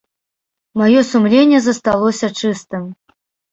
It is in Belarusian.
Маё сумленне засталося чыстым.